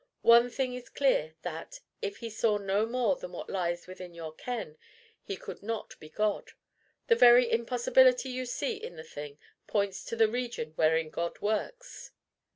One thing is clear, that, if he saw no more than what lies within your ken, he could not be God. The very impossibility you see in the thing points to the region wherein God works."